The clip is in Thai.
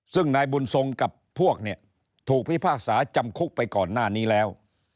ซึ่งนายบุญทรงกับพวกเนี่ยถูกพิพากษาจำคุกไปก่อนหน้านี้แล้ว